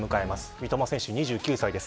三笘選手、２９歳です。